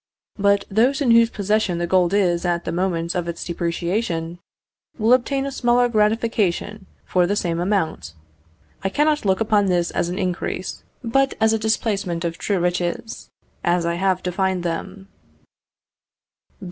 But those in whose possession the gold is at the moment of its depreciation, will obtain a smaller gratification for the same amount. I cannot look upon this as an increase, but as a displacement of true riches, as I have defined them.